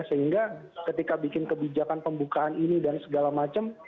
sehingga ketika bikin kebijakan pembukaan ini dan segala macam